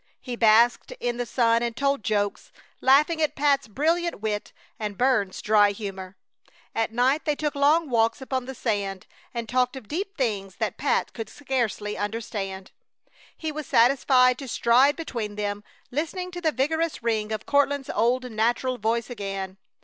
He basked in the sun and told jokes, laughing at Pat's brilliant wit and Burns's dry humor. At night they took long walks upon the sand and talked of deep things that Pat could scarcely understand. He was satisfied to stride between them, listening to the vigorous ring of Courtland's old natural voice again.